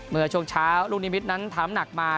เมื่อช่วงเช้าลูกนิมิตรนั้นทำหนักมา